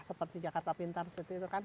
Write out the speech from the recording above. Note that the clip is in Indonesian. seperti jakarta pintar seperti itu kan